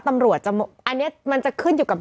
ตำรวจจะอันนี้มันจะขึ้นอยู่กับ